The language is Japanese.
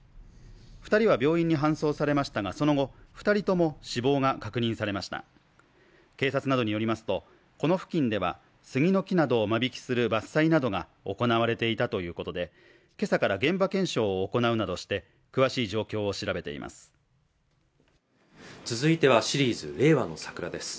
二人は病院に搬送されましたがその後二人とも死亡が確認されました警察などによりますとこの付近では杉の木などを間引きする伐採などが行われていたということで今朝から現場検証を行うなどして詳しい状況を調べています